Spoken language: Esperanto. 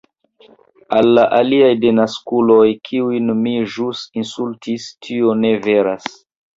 Al la aliaj denaskuloj, kiujn mi ĵus insultis tio ne veras